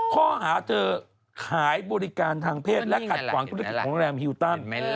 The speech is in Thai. ข้อหาเธอขายบริการทางเพศและขัดขวางธุรกิจของแรมฮิวตัน